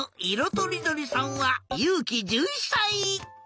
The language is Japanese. とりどりさんはゆうき１１さい。